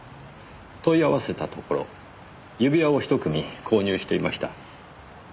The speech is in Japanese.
問い合わせたところ指輪をひと組購入していました。